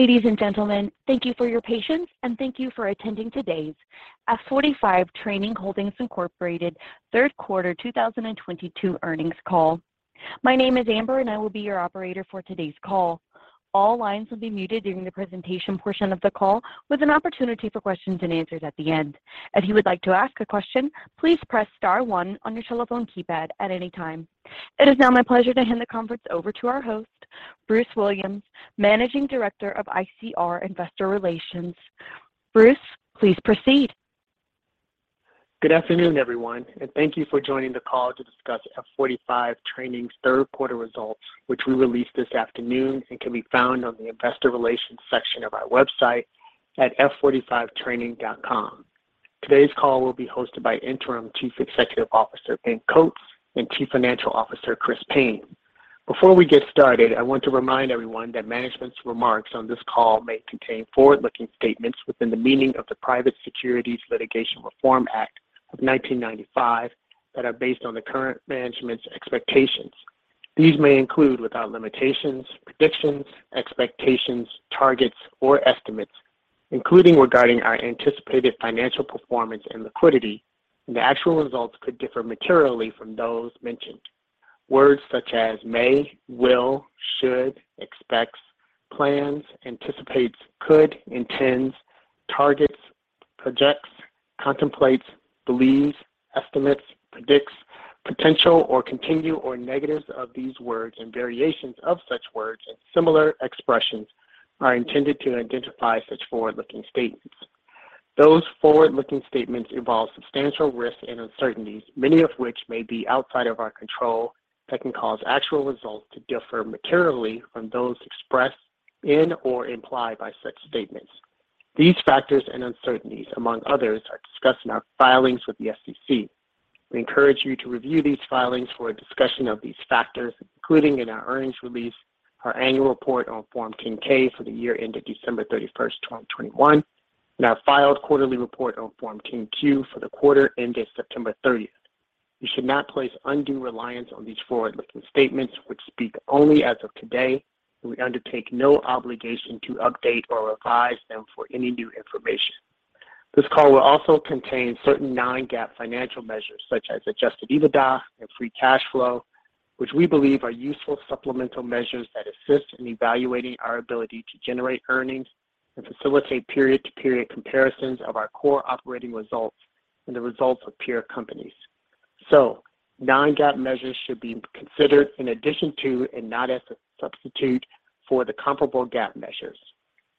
Ladies and gentlemen, thank you for your patience and thank you for attending today's F45 Training Holdings Inc. Third Quarter 2022 Earnings Call. My name is Amber, and I will be your operator for today's call. All lines will be muted during the presentation portion of the call with an opportunity for Q&A at the end. If you would like to ask a question, please press star one on your telephone keypad at any time. It is now my pleasure to hand the conference over to our host, Bruce Williams, Managing Director, ICR, investor relations. Bruce, please proceed. Good afternoon, everyone, and thank you for joining the call to discuss F45 Training's third quarter results, which we released this afternoon and can be found on the investor relations section of our website at f45training.com. Today's call will be hosted by Interim Chief Executive Officer Ben Coates and Chief Financial Officer Chris Payne. Before we get started, I want to remind everyone that management's remarks on this call may contain forward-looking statements within the meaning of the Private Securities Litigation Reform Act of 1995 that are based on the current management's expectations. These may include, without limitations, predictions, expectations, targets, or estimates, including regarding our anticipated financial performance and liquidity. The actual results could differ materially from those mentioned. Words such as may, will, should, expects, plans, anticipates, could, intends, targets, projects, contemplates, believes, estimates, predicts, potential or continue, or negatives of these words and variations of such words and similar expressions are intended to identify such forward-looking statements. Those forward-looking statements involve substantial risks and uncertainties, many of which may be outside of our control that can cause actual results to differ materially from those expressed in or implied by such statements. These factors and uncertainties, among others, are discussed in our filings with the SEC. We encourage you to review these filings for a discussion of these factors, including in our earnings release, our annual report on Form 10-K for the year ended December 31st, 2021, and our filed quarterly report on Form 10-Q for the quarter ended September 30. You should not place undue reliance on these forward-looking statements, which speak only as of today, and we undertake no obligation to update or revise them for any new information. This call will also contain certain non-GAAP financial measures such as Adjusted EBITDA and free cash flow, which we believe are useful supplemental measures that assist in evaluating our ability to generate earnings and facilitate period-to-period comparisons of our core operating results and the results of peer companies. Non-GAAP measures should be considered in addition to and not as a substitute for the comparable GAAP measures.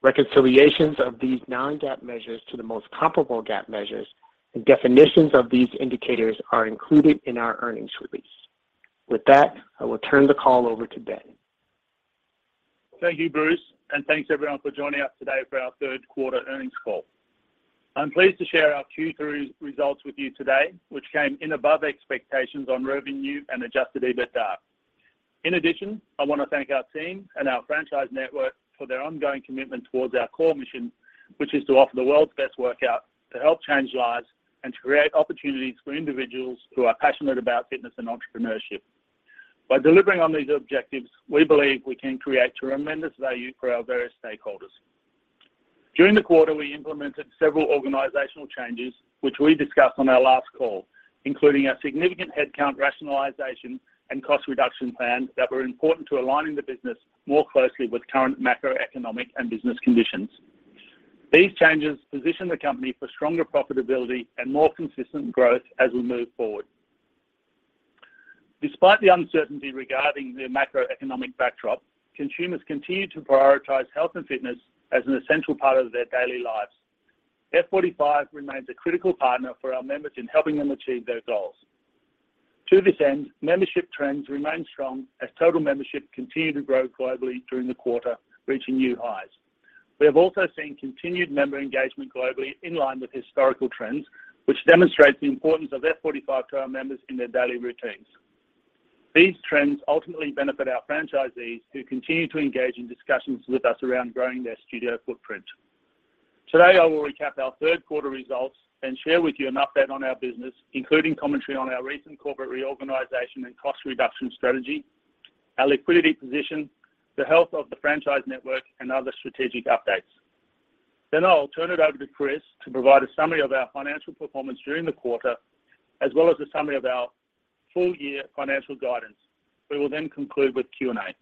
Reconciliations of these non-GAAP measures to the most comparable GAAP measures and definitions of these indicators are included in our earnings release. With that, I will turn the call over to Ben. Thank you, Bruce, and thanks everyone for joining us today for our third quarter earnings call. I'm pleased to share our Q3 results with you today, which came in above expectations on revenue and Adjusted EBITDA. In addition, I want to thank our team and our franchise network for their ongoing commitment towards our core mission, which is to offer the world's best workout to help change lives and to create opportunities for individuals who are passionate about fitness and entrepreneurship. By delivering on these objectives, we believe we can create tremendous value for our various stakeholders. During the quarter, we implemented several organizational changes which we discussed on our last call, including our significant headcount rationalization and cost reduction plans that were important to aligning the business more closely with current macroeconomic and business conditions. These changes position the company for stronger profitability and more consistent growth as we move forward. Despite the uncertainty regarding the macroeconomic backdrop, consumers continue to prioritize health and fitness as an essential part of their daily lives. F45 remains a critical partner for our members in helping them achieve their goals. To this end, membership trends remain strong as total membership continued to grow globally during the quarter, reaching new highs. We have also seen continued member engagement globally in line with historical trends, which demonstrates the importance of F45 to our members in their daily routines. These trends ultimately benefit our franchisees who continue to engage in discussions with us around growing their studio footprint. Today, I will recap our third quarter results and share with you an update on our business, including commentary on our recent corporate reorganization and cost reduction strategy, our liquidity position, the health of the franchise network, and other strategic updates. I'll turn it over to Chris to provide a summary of our financial performance during the quarter, as well as a summary of our full-year financial guidance. We will then conclude with Q&A.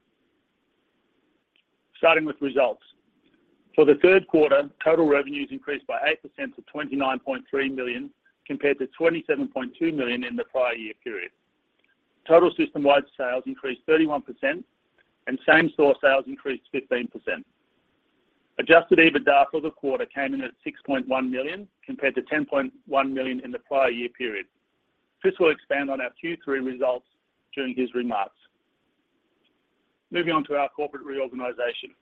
Starting with results. For the third quarter, total revenues increased by 8% to $29.3 million, compared to $27.2 million in the prior year period. Total system-wide sales increased 31%, and same-store sales increased 15%. Adjusted EBITDA for the quarter came in at $6.1 million, compared to $10.1 million in the prior year period. Chris will expand on our Q3 results during his remarks. Moving on to our corporate reorganization.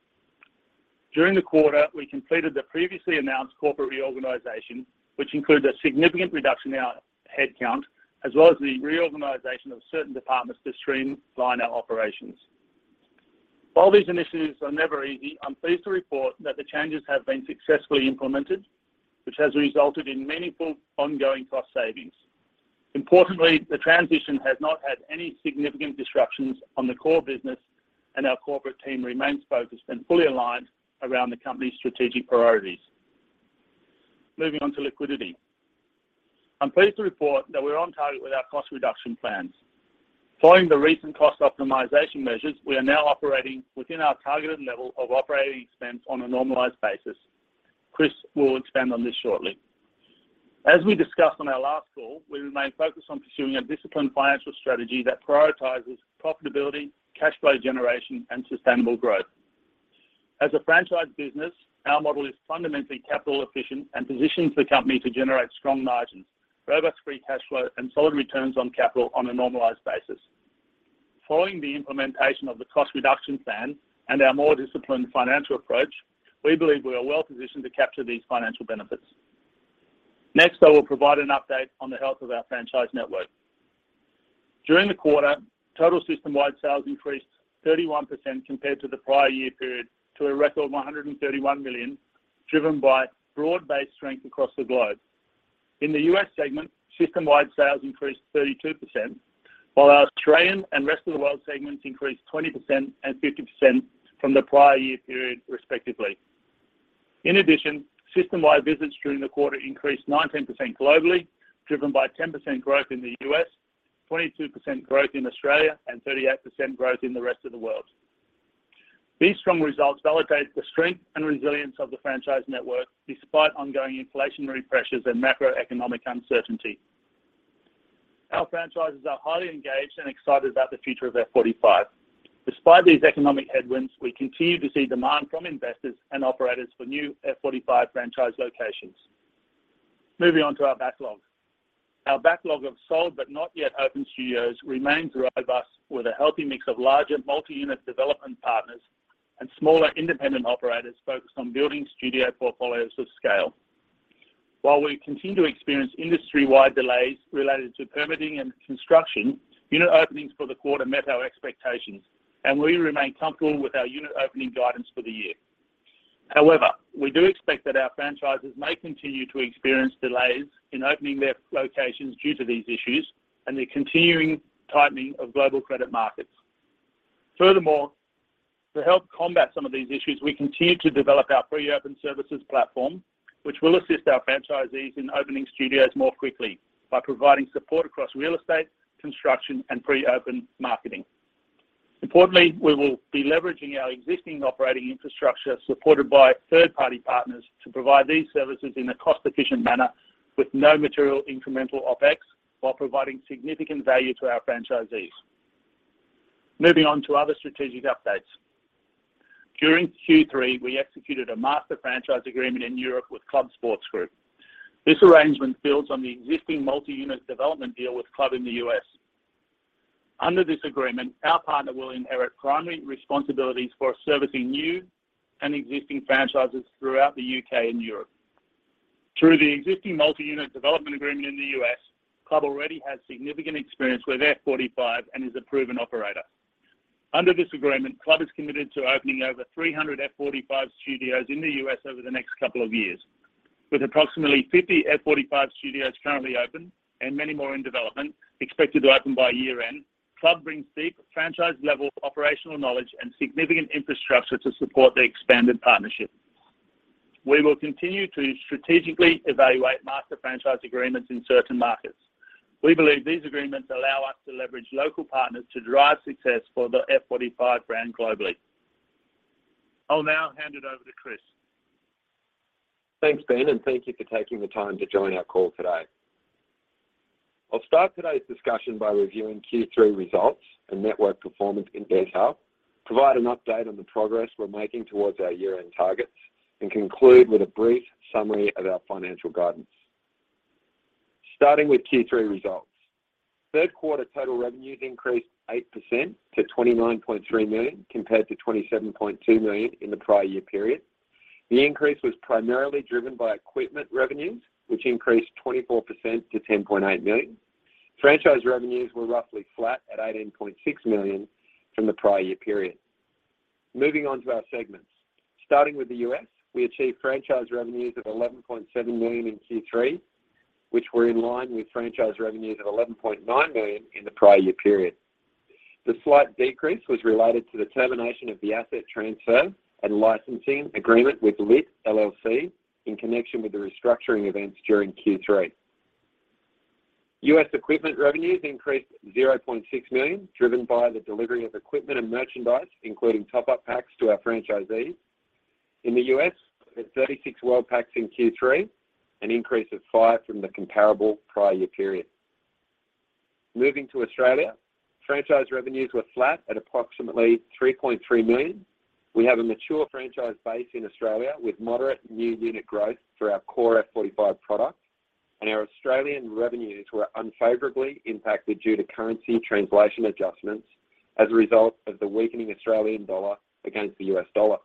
During the quarter, we completed the previously announced corporate reorganization, which included a significant reduction in our headcount, as well as the reorganization of certain departments to streamline our operations. While these initiatives are never easy, I'm pleased to report that the changes have been successfully implemented, which has resulted in meaningful ongoing cost savings. Importantly, the transition has not had any significant disruptions on the core business and our corporate team remains focused and fully aligned around the company's strategic priorities. Moving on to liquidity. I'm pleased to report that we're on target with our cost reduction plans. Following the recent cost optimization measures, we are now operating within our targeted level of operating expense on a normalized basis. Chris will expand on this shortly. As we discussed on our last call, we remain focused on pursuing a disciplined financial strategy that prioritizes profitability, cash flow generation, and sustainable growth. As a franchise business, our model is fundamentally capital efficient and positions the company to generate strong margins, robust free cash flow, and solid returns on capital on a normalized basis. Following the implementation of the cost reduction plan and our more disciplined financial approach, we believe we are well-positioned to capture these financial benefits. Next, I will provide an update on the health of our franchise network. During the quarter, total system-wide sales increased 31% compared to the prior year period to a record of $131 million, driven by broad-based strength across the globe. In the U.S. Segment, system-wide sales increased 32%, while our Australian and rest of the world segments increased 20% and 50% from the prior year period, respectively. In addition, system-wide visits during the quarter increased 19% globally, driven by 10% growth in the U.S., 22% growth in Australia, and 38% growth in the rest of the world. These strong results validate the strength and resilience of the franchise network despite ongoing inflationary pressures and macroeconomic uncertainty. Our franchises are highly engaged and excited about the future of F45. Despite these economic headwinds, we continue to see demand from investors and operators for new F45 franchise locations. Moving on to our backlog. Our backlog of sold but not yet open studios remains robust with a healthy mix of larger multi-unit development partners and smaller independent operators focused on building studio portfolios of scale. While we continue to experience industry-wide delays related to permitting and construction, unit openings for the quarter met our expectations, and we remain comfortable with our unit opening guidance for the year. However, we do expect that our franchises may continue to experience delays in opening their locations due to these issues and the continuing tightening of global credit markets. Furthermore, to help combat some of these issues, we continue to develop our pre-open services platform, which will assist our franchisees in opening studios more quickly by providing support across real estate, construction, and pre-open marketing. Importantly, we will be leveraging our existing operating infrastructure supported by third-party partners to provide these services in a cost-efficient manner with no material incremental OpEx while providing significant value to our franchisees. Moving on to other strategic updates. During Q3, we executed a master franchise agreement in Europe with Club Sports Group. This arrangement builds on the existing multi-unit development deal with Club in the U.S. Under this agreement, our partner will inherit primary responsibilities for servicing new and existing franchises throughout the U.K. and Europe. Through the existing multi-unit development agreement in the U.S., Club already has significant experience with F45 and is a proven operator. Under this agreement, Club is committed to opening over 300 F45 studios in the U.S. over the next couple of years. With approximately 50 F45 studios currently open and many more in development expected to open by year-end, Club brings deep franchise-level operational knowledge and significant infrastructure to support the expanded partnership. We will continue to strategically evaluate master franchise agreements in certain markets. We believe these agreements allow us to leverage local partners to drive success for the F45 brand globally. I'll now hand it over to Chris. Thanks, Ben, and thank you for taking the time to join our call today. I'll start today's discussion by reviewing Q3 results and network performance in detail, provide an update on the progress we're making towards our year-end targets, and conclude with a brief summary of our financial guidance. Starting with Q3 results. Third quarter total revenues increased 8% to $29.3 million, compared to $27.2 million in the prior year period. The increase was primarily driven by equipment revenues, which increased 24% to $10.8 million. Franchise revenues were roughly flat at $18.6 million from the prior year period. Moving on to our segments. Starting with the U.S., we achieved franchise revenues of $11.7 million in Q3, which were in line with franchise revenues of $11.9 million in the prior year period. The slight decrease was related to the termination of the asset transfer and licensing agreement with LIIT LLC in connection with the restructuring events during Q3. U.S. equipment revenues increased $0.6 million, driven by the delivery of equipment and merchandise, including Top-Up Packs, to our franchisee. In the U.S., there's 36 World Packs in Q3, an increase of 5 from the comparable prior year period. Moving to Australia, franchise revenues were flat at approximately $3.3 million. We have a mature franchise base in Australia with moderate new unit growth through our core F45 products, and our Australian revenues were unfavorably impacted due to currency translation adjustments as a result of the weakening Australian dollar against the U.S. Dollar.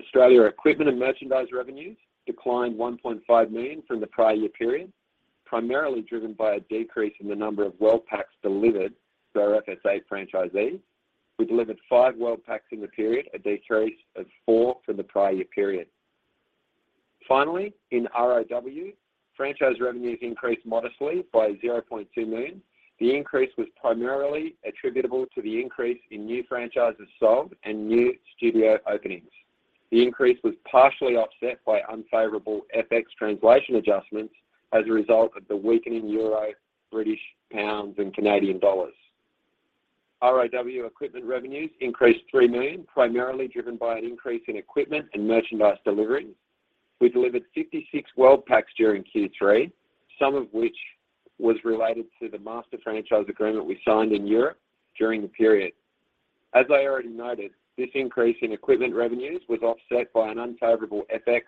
Australia equipment and merchandise revenues declined $1.5 million from the prior year period, primarily driven by a decrease in the number of World Packs delivered to our F45 franchisees. We delivered 5 World Packs in the period, a decrease of 4 from the prior year period. Finally, in ROW, franchise revenues increased modestly by $0.2 million. The increase was primarily attributable to the increase in new franchises sold and new studio openings. The increase was partially offset by unfavorable FX translation adjustments as a result of the weakening Euro, British pounds, and Canadian dollars. ROW equipment revenues increased $3 million, primarily driven by an increase in equipment and merchandise deliveries. We delivered 56 World Packs during Q3, some of which was related to the master franchise agreement we signed in Europe during the period. As I already noted, this increase in equipment revenues was offset by an unfavorable FX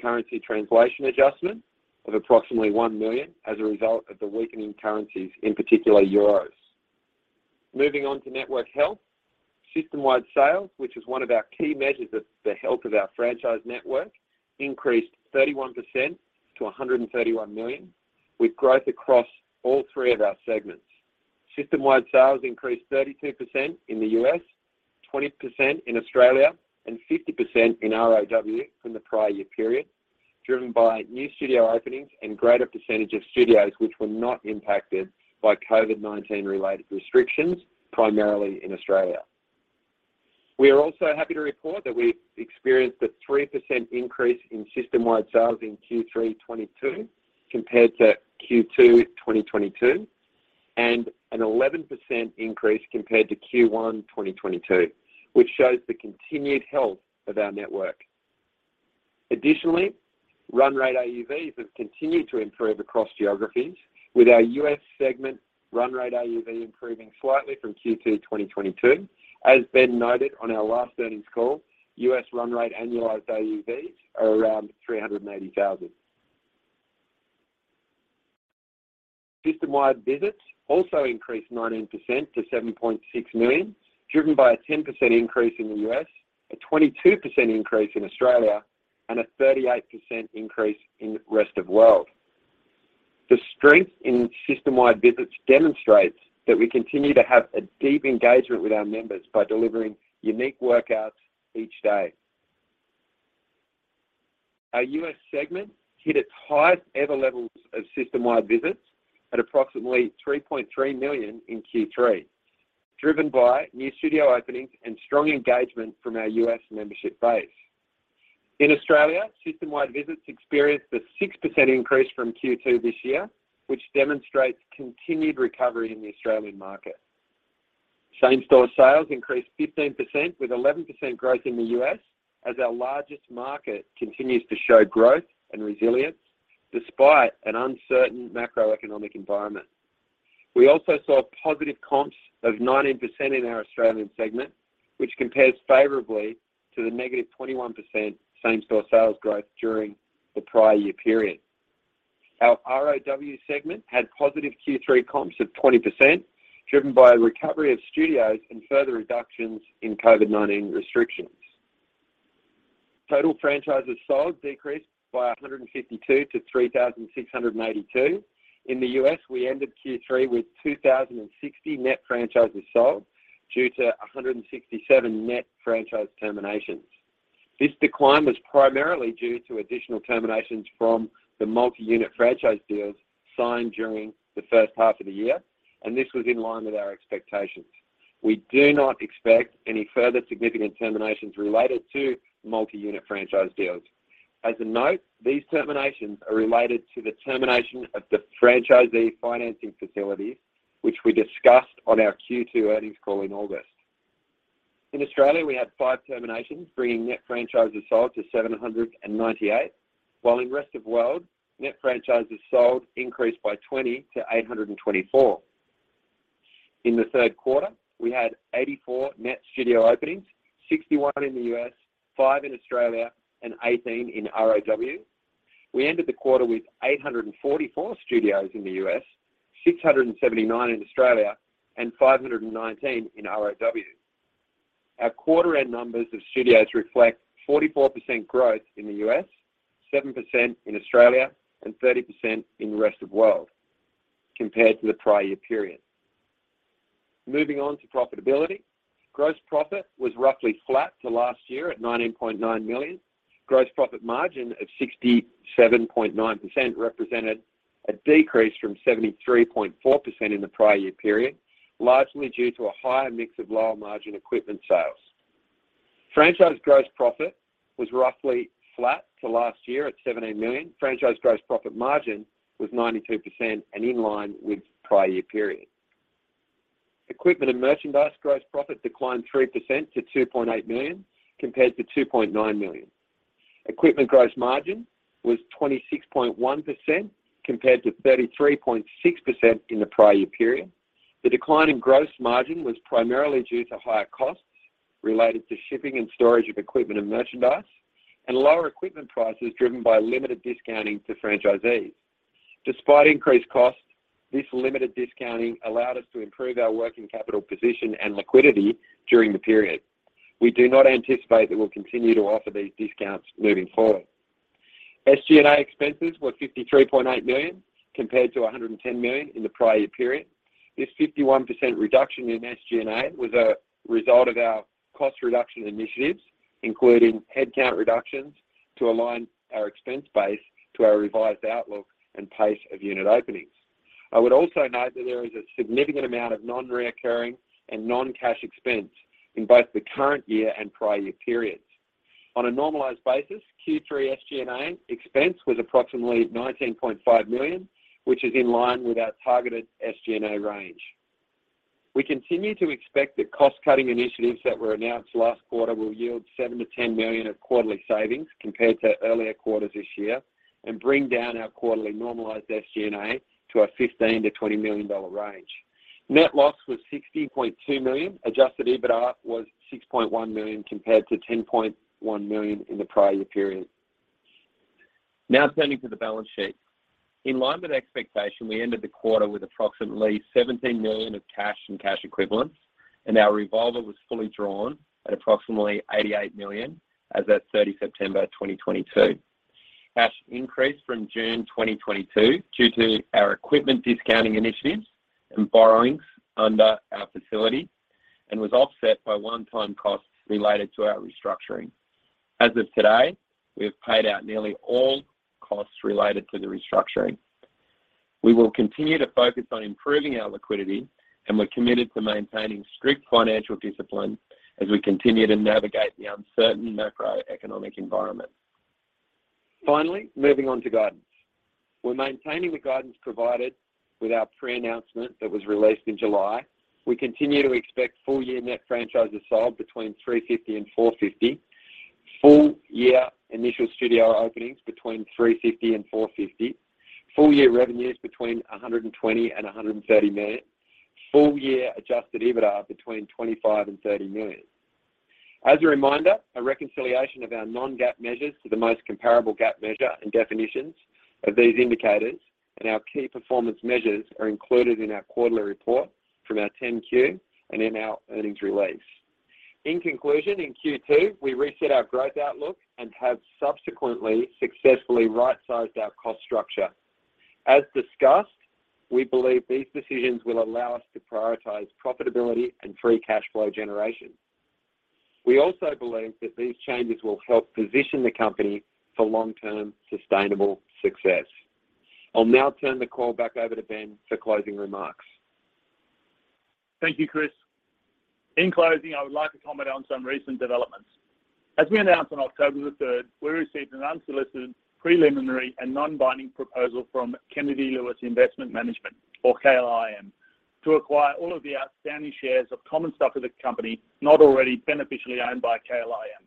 currency translation adjustment of approximately $1 million as a result of the weakening currencies, in particular Euro. Moving on to network health. System-wide sales, which is one of our key measures of the health of our franchise network, increased 31% to $131 million, with growth across all three of our segments. System-wide sales increased 32% in the U.S., 20% in Australia, and 50% in ROW from the prior year period, driven by new studio openings and greater percentage of studios which were not impacted by COVID-19 related restrictions, primarily in Australia. We are also happy to report that we experienced a 3% increase in system-wide sales in Q3 2022 compared to Q2 2022, and an 11% increase compared to Q1 2022, which shows the continued health of our network. Additionally, run rate AUVs have continued to improve across geographies, with our U.S. segment run rate AUV improving slightly from Q2 2022. As Ben noted on our last earnings call, U.S. run rate annualized AUVs are around 380,000. System-wide visits also increased 19% to 7.6 million, driven by a 10% increase in the U.S., a 22% increase in Australia, and a 38% increase in rest of world. The strength in system-wide visits demonstrates that we continue to have a deep engagement with our members by delivering unique workouts each day. Our US segment hit its highest ever levels of system-wide visits at approximately 3.3 million in Q3, driven by new studio openings and strong engagement from our US membership base. In Australia, system-wide visits experienced a 6% increase from Q2 this year, which demonstrates continued recovery in the Australian market. Same-store sales increased 15% with 11% growth in the US as our largest market continues to show growth and resilience despite an uncertain macroeconomic environment. We also saw positive comps of 19% in our Australian segment, which compares favorably to the negative 21% same-store sales growth during the prior year period. Our ROW segment had positive Q3 comps of 20%, driven by a recovery of studios and further reductions in COVID-19 restrictions. Total franchises sold decreased by 152 to 3,682. In the US, we ended Q3 with 2,060 net franchises sold due to 167 net franchise terminations. This decline was primarily due to additional terminations from the multi-unit franchise deals signed during the first half of the year, and this was in line with our expectations. We do not expect any further significant terminations related to multi-unit franchise deals. As a note, these terminations are related to the termination of the franchisee financing facilities, which we discussed on our Q2 earnings call in August. In Australia, we had five terminations, bringing net franchises sold to 798, while in ROW, net franchises sold increased by 20 to 824. In the third quarter, we had 84 net studio openings, 61 in the US, five in Australia, and 18 in ROW. We ended the quarter with 844 studios in the US, 679 in Australia, and 519 in ROW. Our quarter end numbers of studios reflect 44% growth in the US, 7% in Australia, and 30% in the rest of world compared to the prior year period. Moving on to profitability. Gross profit was roughly flat to last year at $19.9 million. Gross profit margin of 67.9% represented a decrease from 73.4% in the prior year period, largely due to a higher mix of lower margin equipment sales. Franchise gross profit was roughly flat to last year at $17 million. Franchise gross profit margin was 92% and in line with prior year period. Equipment and merchandise gross profit declined 3% to $2.8 million, compared to $2.9 million. Equipment gross margin was 26.1% compared to 33.6% in the prior year period. The decline in gross margin was primarily due to higher costs related to shipping and storage of equipment and merchandise, and lower equipment prices driven by limited discounting to franchisees. Despite increased costs, this limited discounting allowed us to improve our working capital position and liquidity during the period. We do not anticipate that we'll continue to offer these discounts moving forward. SG&A expenses were $53.8 million compared to $110 million in the prior year period. This 51% reduction in SG&A was a result of our cost reduction initiatives, including headcount reductions to align our expense base to our revised outlook and pace of unit openings. I would also note that there is a significant amount of non-recurring and non-cash expense in both the current year and prior year periods. On a normalized basis, Q3 SG&A expense was approximately $19.5 million, which is in line with our targeted SG&A range. We continue to expect that cost-cutting initiatives that were announced last quarter will yield $7 million-$10 million of quarterly savings compared to earlier quarters this year and bring down our quarterly normalized SG&A to a $15 million-$20 million range. Net loss was $16.2 million. Adjusted EBITDA was $6.1 million compared to $10.1 million in the prior year period. Now turning to the balance sheet. In line with expectation, we ended the quarter with approximately $17 million in cash and cash equivalents, and our revolver was fully drawn at approximately $88 million as of September 30, 2022. Cash increased from June 2022 due to our equipment discounting initiatives and borrowings under our facility and was offset by one-time costs related to our restructuring. As of today, we have paid out nearly all costs related to the restructuring. We will continue to focus on improving our liquidity, and we're committed to maintaining strict financial discipline as we continue to navigate the uncertain macroeconomic environment. Finally, moving on to guidance. We're maintaining the guidance provided with our pre-announcement that was released in July. We continue to expect full year net franchises sold between 350 and 450. Full year initial studio openings between 350 and 450. Full year revenues between $120 million and $130 million. Full year adjusted EBITDA between $25 million and $30 million. As a reminder, a reconciliation of our non-GAAP measures to the most comparable GAAP measure and definitions of these indicators and our key performance measures are included in our quarterly report from our 10-Q and in our earnings release. In conclusion, in Q2, we reset our growth outlook and have subsequently successfully right-sized our cost structure. As discussed, we believe these decisions will allow us to prioritize profitability and free cash flow generation. We also believe that these changes will help position the company for long-term sustainable success. I'll now turn the call back over to Ben for closing remarks. Thank you, Chris. In closing, I would like to comment on some recent developments. As we announced on October the third, we received an unsolicited, preliminary, and non-binding proposal from Kennedy Lewis Investment Management or KLIM to acquire all of the outstanding shares of common stock of the company not already beneficially owned by KLIM.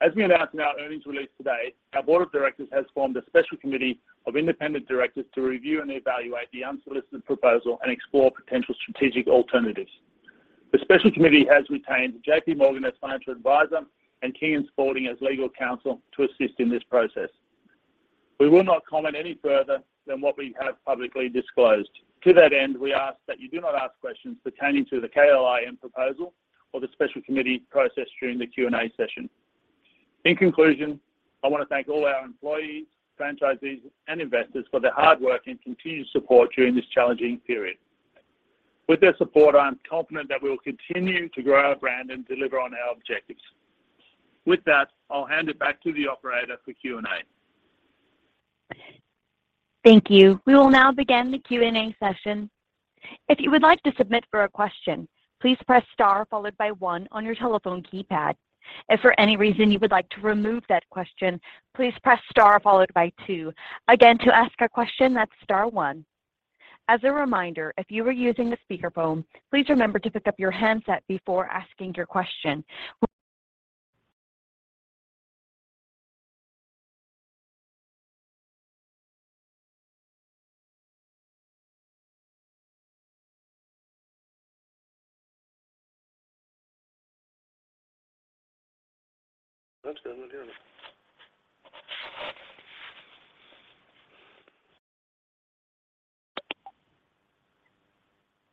As we announced in our earnings release today, our board of directors has formed a special committee of independent directors to review and evaluate the unsolicited proposal and explore potential strategic alternatives. The special committee has retained JPMorgan as financial advisor and King & Spalding as legal counsel to assist in this process. We will not comment any further than what we have publicly disclosed. To that end, we ask that you do not ask questions pertaining to the KLIM proposal or the special committee process during the Q&A session. In conclusion, I want to thank all our employees, franchisees, and investors for their hard work and continued support during this challenging period. With their support, I am confident that we will continue to grow our brand and deliver on our objectives. With that, I'll hand it back to the operator for Q&A. Thank you. We will now begin the Q&A session. If you would like to submit a question, please press star followed by one on your telephone keypad. If for any reason you would like to remove that question, please press star followed by two. Again, to ask a question, that's star one. As a reminder, if you are using a speakerphone, please remember to pick up your handset before asking your question. That's good. I'm hearing it.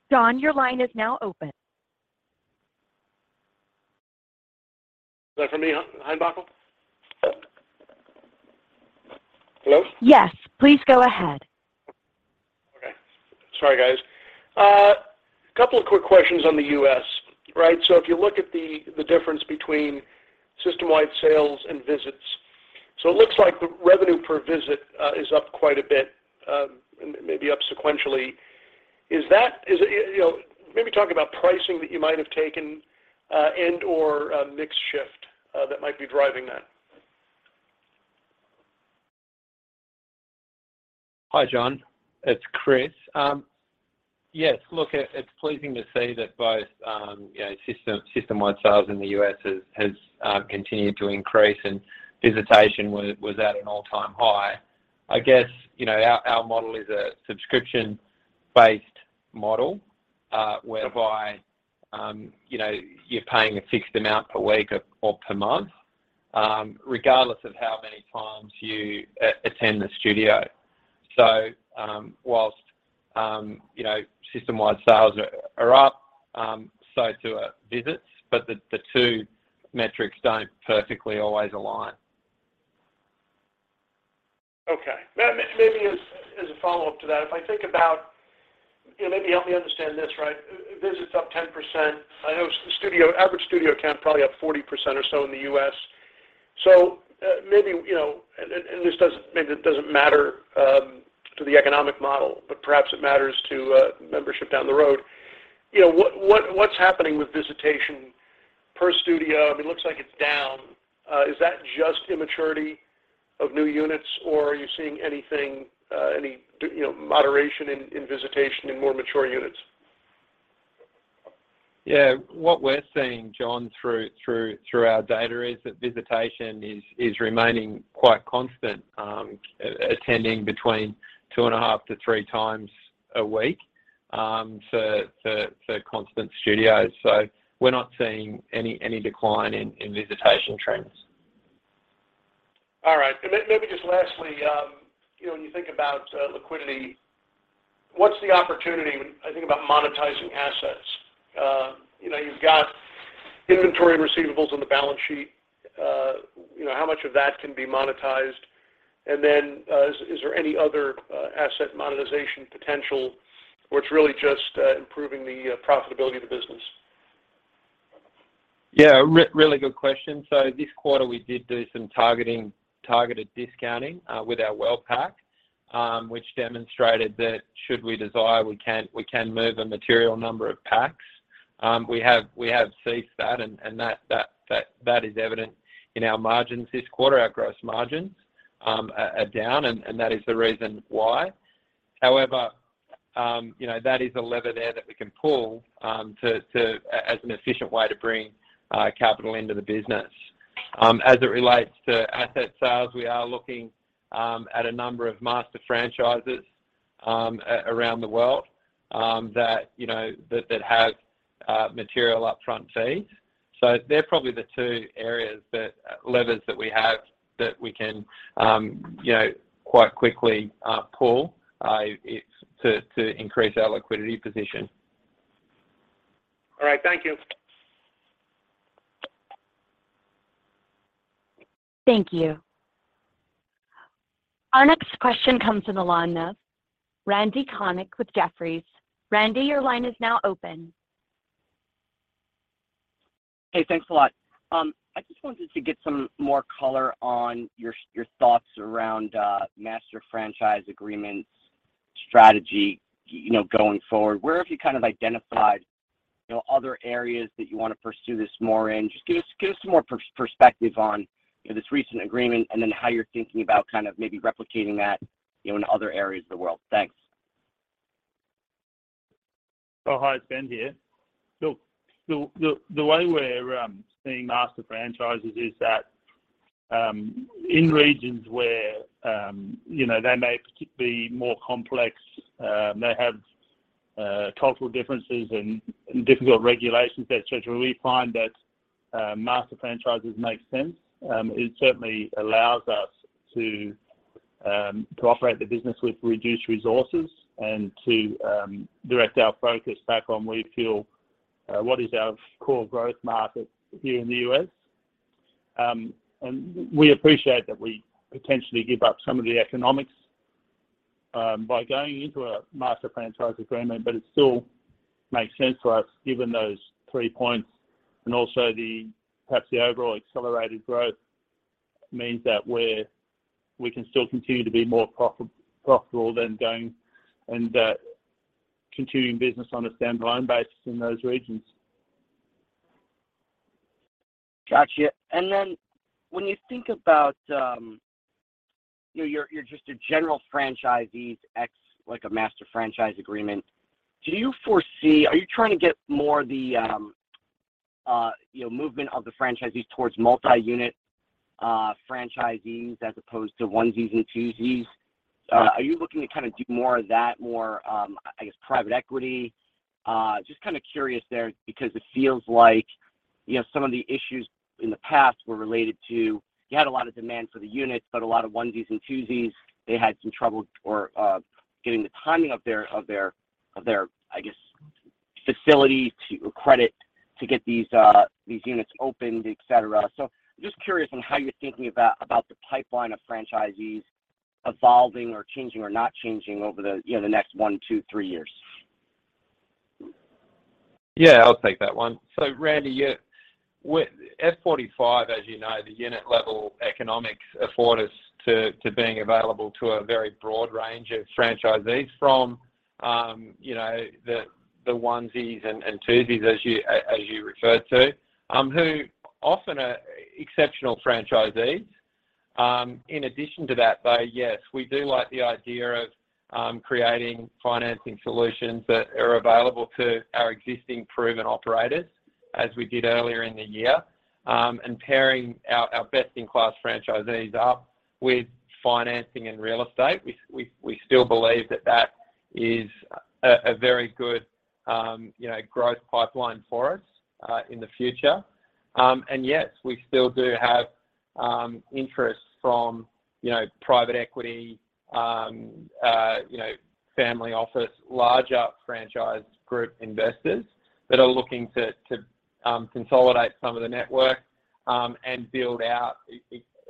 Jonathan Komp, your line is now open. Is that for me,? Hello? Yes, please go ahead. Okay. Sorry, guys. A couple of quick questions on the U.S., right? If you look at the difference between system-wide sales and visits, it looks like the revenue per visit is up quite a bit, and maybe up sequentially. You know, maybe talk about pricing that you might have taken, and/or a mix shift that might be driving that. Hi, Jonathan. It's Chris. Yes, look, it's pleasing to see that both, you know, system-wide sales in the U.S. has continued to increase and visitation was at an all-time high. I guess, you know, our model is a subscription-based model, whereby, you know, you're paying a fixed amount per week or per month, regardless of how many times you attend the studio. While you know, system-wide sales are up, so do our visits. The two metrics don't perfectly always align. Okay. Maybe as a follow-up to that, if I think about, you know, maybe help me understand this, right? Visits up 10%. I know average studio count probably up 40% or so in the U.S. Maybe, you know, and this doesn't, maybe it doesn't matter, to the economic model, but perhaps it matters to membership down the road. You know, what's happening with visitation per studio? I mean, looks like it's down. Is that just immaturity of new units, or are you seeing anything, you know, moderation in visitation in more mature units? Yeah. What we're seeing, Jon, through our data is that visitation is remaining quite constant, attending between 2.5 to 3 times a week to constant studios. We're not seeing any decline in visitation trends. All right. Maybe just lastly, you know, when you think about liquidity, what's the opportunity when I think about monetizing assets? You know, you've got inventory and receivables on the balance sheet. You know, how much of that can be monetized? Is there any other asset monetization potential, or it's really just improving the profitability of the business? Yeah, really good question. This quarter, we did some targeted discounting with our World Pack, which demonstrated that should we desire, we can move a material number of packs. We have ceased that, and that is evident in our margins this quarter. Our gross margins are down, and that is the reason why. However, you know, that is a lever there that we can pull to as an efficient way to bring capital into the business. As it relates to asset sales, we are looking at a number of master franchises around the world that, you know, that have material upfront fees. They're probably the two areas that levers that we have that we can, you know, quite quickly pull. It's to increase our liquidity position. All right. Thank you. Thank you. Our next question comes from the line of Randy Konik with Jefferies. Randy, your line is now open. Hey, thanks a lot. I just wanted to get some more color on your thoughts around master franchise agreements strategy, you know, going forward. Where have you kind of identified, you know, other areas that you wanna pursue this more in? Just give us some more perspective on, you know, this recent agreement and then how you're thinking about kind of maybe replicating that, you know, in other areas of the world. Thanks. Oh, hi, it's Ben here. Look, the way we're seeing master franchisees is that in regions where, you know, they may particularly be more complex, they have cultural differences and difficult regulations, et cetera, we find that master franchises make sense. It certainly allows us to operate the business with reduced resources and to direct our focus back on what we feel is our core growth market here in the U.S. We appreciate that we potentially give up some of the economics by going into a master franchise agreement, but it still makes sense for us given those three points and also perhaps the overall accelerated growth means that we can still continue to be more profitable than going and continuing business on a standalone basis in those regions. Gotcha. When you think about, you know, your just a general franchisees, e.g., like a master franchise agreement, are you trying to get more of the, you know, movement of the franchisees towards multi-unit franchisees as opposed to onesies and twosies? Are you looking to kind of do more of that, I guess, private equity? Just kind of curious there because it feels like, you know, some of the issues in the past were related to, you had a lot of demand for the units, but a lot of onesies and twosies, they had some trouble getting the timing of their facilities or credit to get these units opened, etc. Just curious on how you're thinking about the pipeline of franchisees evolving or changing or not changing over the next one, two, three years. Yeah, I'll take that one. Randy, yeah, with F45, as you know, the unit level economics afford us to being available to a very broad range of franchisees from, you know, the onesies and twosies as you referred to, who often are exceptional franchisees. In addition to that, though, yes, we do like the idea of creating financing solutions that are available to our existing proven operators, as we did earlier in the year, and pairing our best-in-class franchisees up with financing and real estate. We still believe that is a very good, you know, growth pipeline for us in the future. Yes, we still do have interest from, you know, private equity, you know, family office, larger franchise group investors that are looking to consolidate some of the network, and build out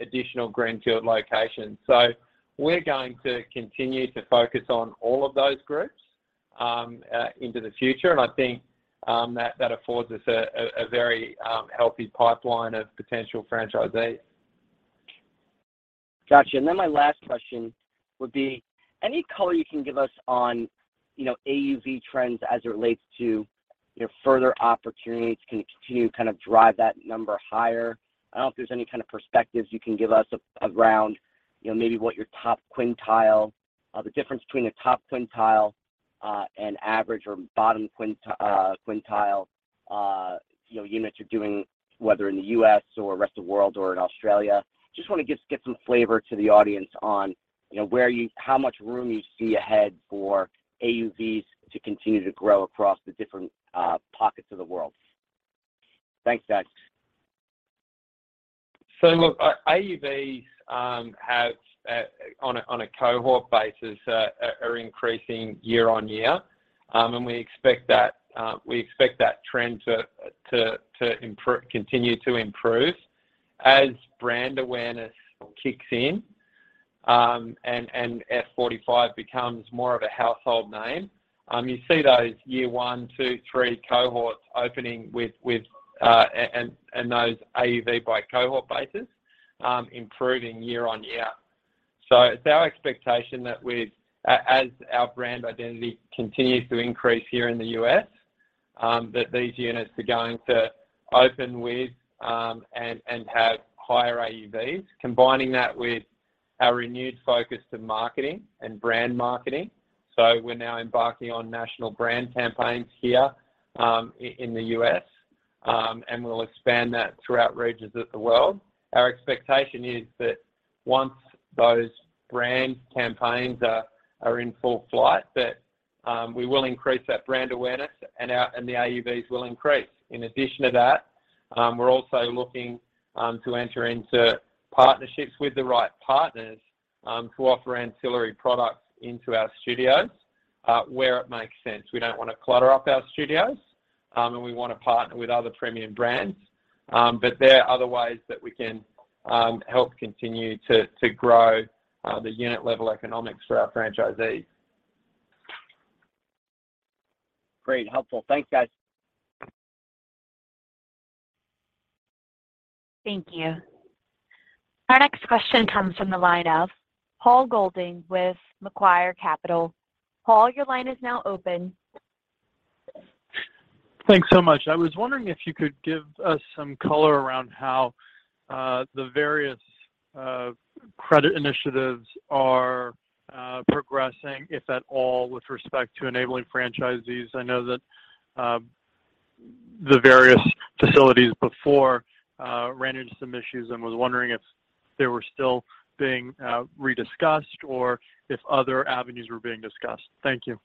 additional greenfield locations. We're going to continue to focus on all of those groups into the future, and I think that affords us a very healthy pipeline of potential franchisees. Gotcha. My last question would be, any color you can give us on, you know, AUV trends as it relates to, you know, further opportunities to continue to kind of drive that number higher? I don't know if there's any kind of perspectives you can give us around, you know, maybe what your top quintile, the difference between a top quintile and average or bottom quintile, you know, units you're doing, whether in the U.S. or rest of world or in Australia. Just wanna get some flavor to the audience on, you know, how much room you see ahead for AUVs to continue to grow across the different pockets of the world. Thanks, guys. Look, AUVs have on a cohort basis are increasing year-over-year. We expect that trend to continue to improve as brand awareness kicks in, and F45 becomes more of a household name. You see those year one, two, three cohorts opening with and those AUVs by cohort basis improving year-over-year. It's our expectation that as our brand identity continues to increase here in the U.S., that these units are going to open with and have higher AUVs, combining that with our renewed focus to marketing and brand marketing. We're now embarking on national brand campaigns here in the U.S., and we'll expand that throughout regions of the world. Our expectation is that once those brand campaigns are in full flight, that we will increase that brand awareness, and the AUVs will increase. In addition to that, we're also looking to enter into partnerships with the right partners to offer ancillary products into our studios where it makes sense. We don't wanna clutter up our studios, and we wanna partner with other premium brands. There are other ways that we can help continue to grow the unit-level economics for our franchisees. Great. Helpful. Thanks, guys. Thank you. Our next question comes from the line of Paul Golding with Macquarie Capital. Paul, your line is now open. Thanks so much. I was wondering if you could give us some color around how the various credit initiatives are progressing, if at all, with respect to enabling franchisees. I know that the various facilities before ran into some issues and was wondering if they were still being rediscussed or if other avenues were being discussed. Thank you.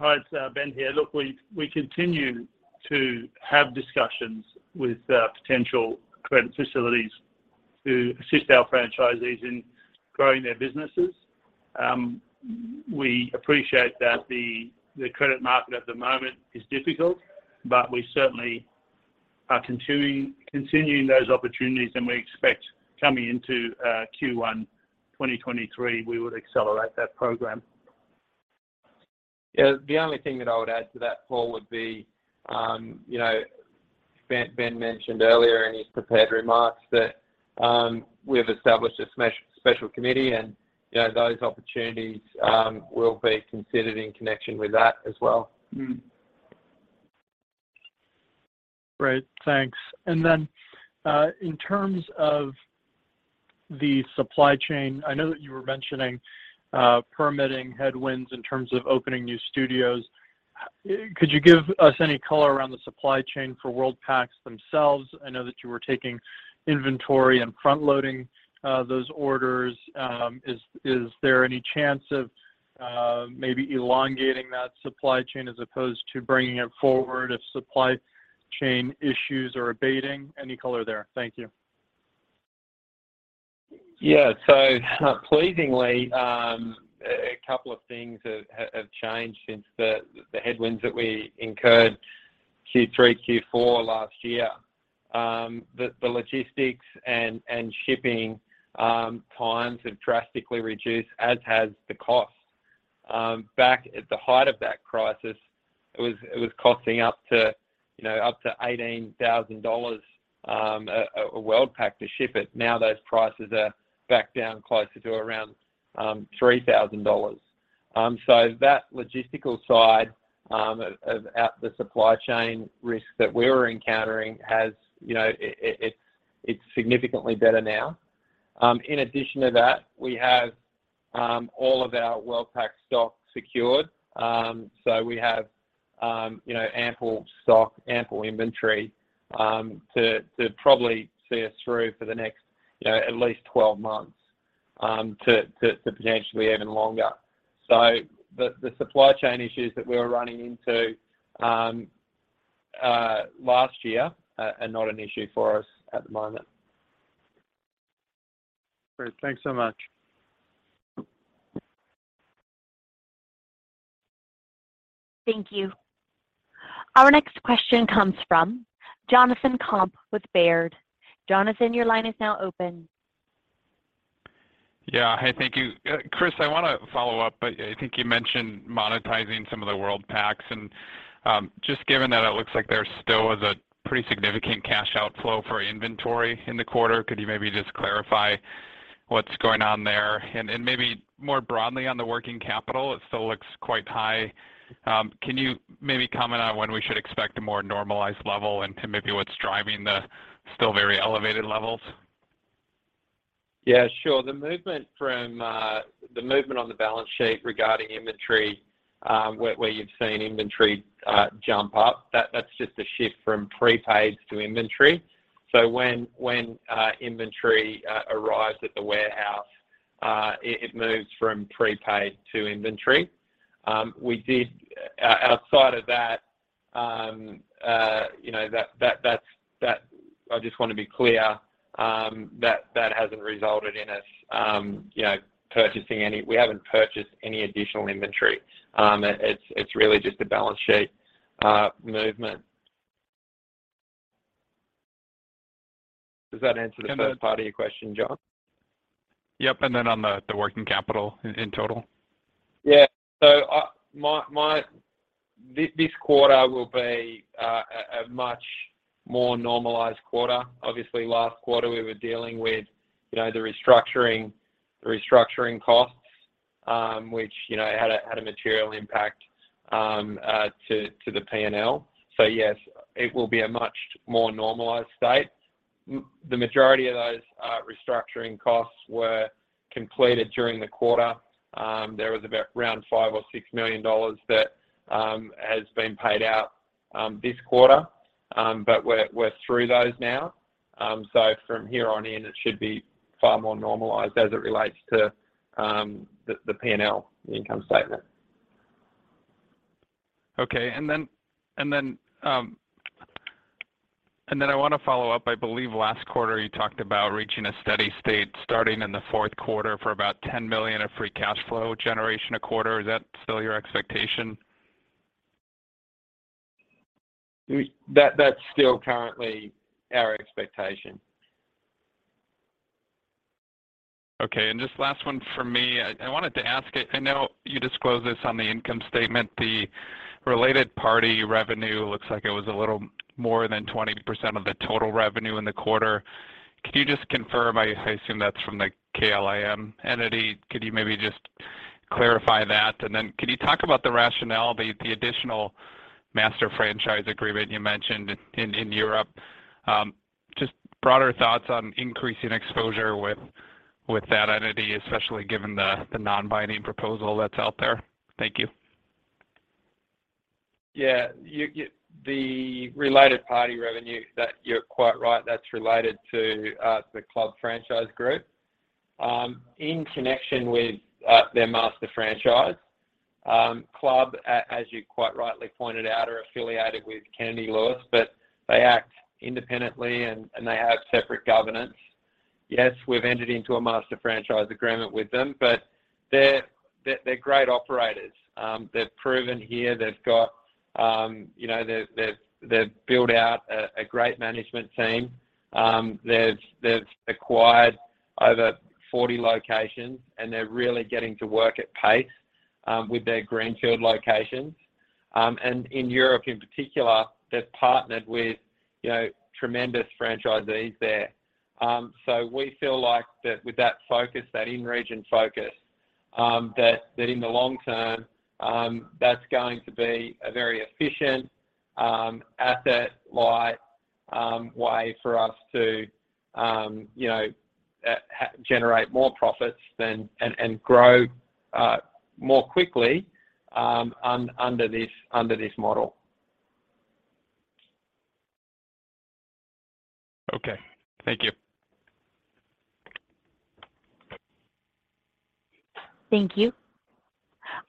Hi, it's Ben here. Look, we continue to have discussions with potential credit facilities to assist our franchisees in growing their businesses. We appreciate that the credit market at the moment is difficult, but we certainly are continuing those opportunities, and we expect coming into Q1 2023, we would accelerate that program. Yeah. The only thing that I would add to that, Paul, would be, you know, Ben mentioned earlier in his prepared remarks that we have established a special committee, and, you know, those opportunities will be considered in connection with that as well. Great. Thanks. In terms of the supply chain, I know that you were mentioning permitting headwinds in terms of opening new studios. Could you give us any color around the supply chain for World Pack themselves? I know that you were taking inventory and front-loading those orders. Is there any chance of maybe elongating that supply chain as opposed to bringing it forward if supply chain issues are abating? Any color there? Thank you. Yeah. Pleasingly, a couple of things have changed since the headwinds that we incurred Q3, Q4 last year. The logistics and shipping times have drastically reduced, as has the cost. Back at the height of that crisis, it was costing up to, you know, up to $18,000 a World Pack to ship it. Now those prices are back down closer to around $3,000. That logistical side of the supply chain risk that we were encountering has, you know, it's significantly better now. In addition to that, we have all of our World Pack stock secured. We have, you know, ample stock, ample inventory, to probably see us through for the next, you know, at least 12 months, to potentially even longer. The supply chain issues that we were running into last year are not an issue for us at the moment. Great. Thanks so much. Thank you. Our next question comes from Jonathan Komp with Baird. Jonathan, your line is now open. Yeah. Hey, thank you. Chris, I wanna follow up. I think you mentioned monetizing some of the World Packs. Just given that it looks like there still is a pretty significant cash outflow for inventory in the quarter, could you maybe just clarify what's going on there? Maybe more broadly on the working capital, it still looks quite high. Can you maybe comment on when we should expect a more normalized level and to maybe what's driving the still very elevated levels? Yeah, sure. The movement on the balance sheet regarding inventory, where you've seen inventory jump up, that's just a shift from prepaid to inventory. So when inventory arrives at the warehouse, it moves from prepaid to inventory. Outside of that, you know, that's I just wanna be clear that that hasn't resulted in us, you know, purchasing any. We haven't purchased any additional inventory. It's really just a balance sheet movement. Does that answer the first part of your question, Jonathan? Yep. On the working capital in total. Yeah. This quarter will be a much more normalized quarter. Obviously, last quarter, we were dealing with, you know, the restructuring costs, which, you know, had a material impact to the P&L. Yes, it will be a much more normalized state. The majority of those restructuring costs were completed during the quarter. There was about around $5 million-$6 million that has been paid out this quarter. We're through those now. From here on in, it should be far more normalized as it relates to the P&L income statement. Okay. I wanna follow up. I believe last quarter you talked about reaching a steady state starting in the fourth quarter for about $10 million of free cash flow generation a quarter. Is that still your expectation? That, that's still currently our expectation. Okay. Just last one from me. I wanted to ask, I know you disclosed this on the income statement, the related party revenue looks like it was a little more than 20% of the total revenue in the quarter. Could you just confirm? I assume that's from the KLIM entity. Could you maybe just clarify that? Then could you talk about the rationale, the additional master franchise agreement you mentioned in Europe? Just broader thoughts on increasing exposure with that entity, especially given the non-binding proposal that's out there. Thank you. Yeah. The related party revenue, you're quite right. That's related to the Club Sports Group in connection with their master franchise. Club Sports Group, as you quite rightly pointed out, are affiliated with Kennedy Lewis, but they act independently and they have separate governance. Yes, we've entered into a master franchise agreement with them, but they're great operators. They've proven here they've got, you know, they've built out a great management team. They've acquired over 40 locations, and they're really getting to work at pace with their greenfield locations. In Europe in particular, they've partnered with, you know, tremendous franchisees there. We feel like that with that focus, that in-region focus, that in the long term, that's going to be a very efficient asset-light way for us to, you know, generate more profits than and grow more quickly under this model. Okay. Thank you. Thank you.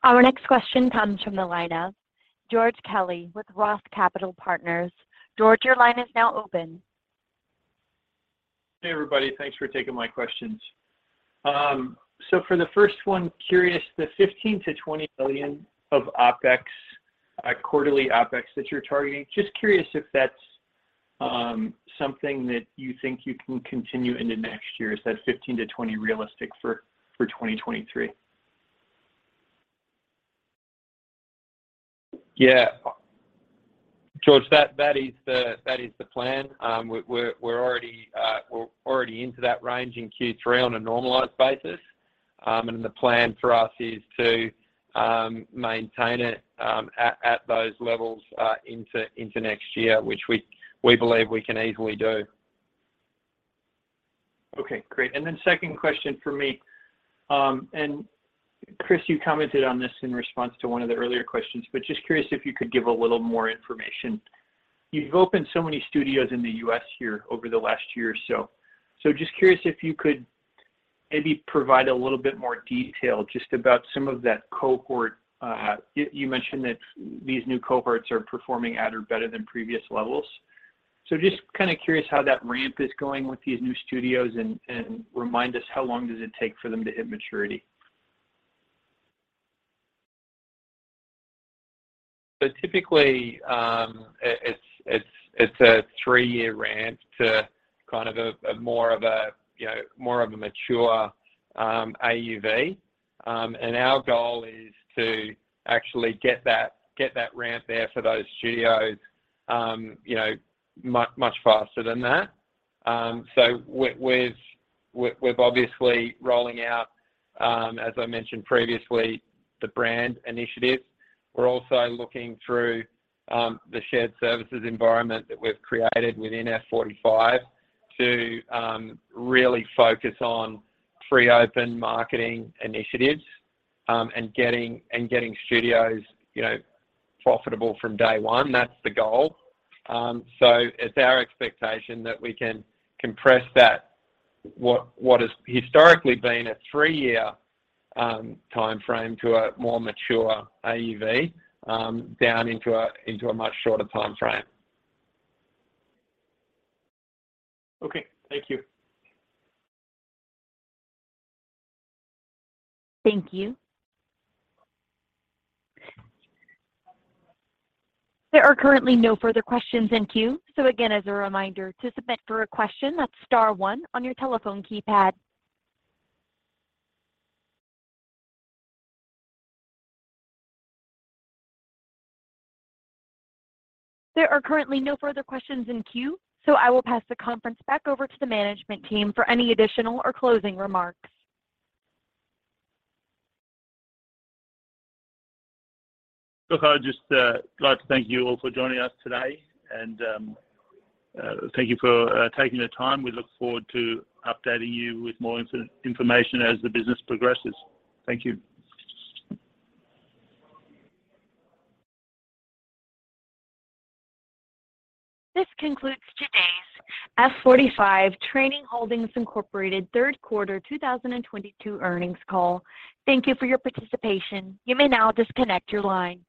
Our next question comes from the line of George Kelly with Roth Capital Partners. George, your line is now open. Hey, everybody. Thanks for taking my questions. For the first one, curious, the $15 billion-$20 billion of OpEx, quarterly OpEx that you're targeting, just curious if that's something that you think you can continue into next year. Is that 15-20 realistic for 2023? Yeah. George, that is the plan. We're already into that range in Q3 on a normalized basis. The plan for us is to maintain it at those levels into next year, which we believe we can easily do. Okay, great. Second question for me, and Chris, you commented on this in response to one of the earlier questions, but just curious if you could give a little more information. You've opened so many studios in the U.S. here over the last year or so. Just curious if you could maybe provide a little bit more detail just about some of that cohort. You mentioned that these new cohorts are performing at or better than previous levels. Just kinda curious how that ramp is going with these new studios, and remind us how long does it take for them to hit maturity? Typically, it's a three-year ramp to kind of a more of a, you know, more mature AUV. Our goal is to actually get that ramp there for those studios, you know, much faster than that. We're obviously rolling out, as I mentioned previously, the brand initiative. We're also looking through the shared services environment that we've created within F45 to really focus on pre-open marketing initiatives, and getting studios, you know, profitable from day one. That's the goal. It's our expectation that we can compress that what has historically been a three-year timeframe to a more mature AUV down into a much shorter timeframe. Okay. Thank you. Thank you. There are currently no further questions in queue. Again, as a reminder, to submit for a question, that's star one on your telephone keypad. There are currently no further questions in queue, so I will pass the conference back over to the management team for any additional or closing remarks. Look, I would just like to thank you all for joining us today and thank you for taking the time. We look forward to updating you with more information as the business progresses. Thank you. This concludes today's F45 Training Holdings Inc. third quarter 2022 earnings call. Thank you for your participation. You may now disconnect your line.